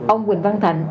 ông quỳnh văn thạnh